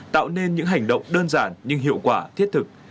tạo nên những hành động đơn giản nhưng hiệu quả thiết thực